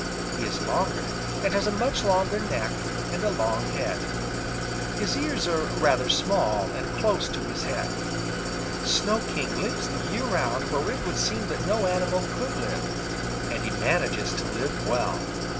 He is longer, and has a much longer neck and a long head. His ears are rather small and close to his head. Snow King lives the year round where it would seem that no animal could live, and he manages to live well.